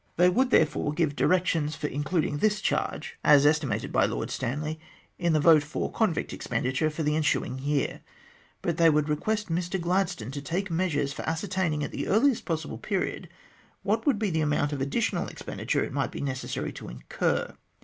They would therefore give direc tions for including this charge, as estimated by Lord Stanley, in the vote for convict expenditure for the ensuing year, but they would request Mr Gladstone to take measures for ascertaining, at the earliest possible period, what would be the amount of additional expenditure it might be necessary to incur.